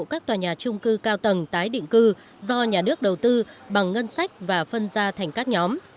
các tòa nhà trung cư cao tầng tái định cư do nhà nước đầu tư bằng ngân sách và phân ra thành các nhóm